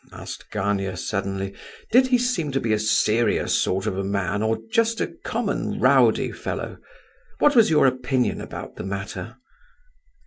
asked Gania, suddenly. "Did he seem to be a serious sort of a man, or just a common rowdy fellow? What was your own opinion about the matter?"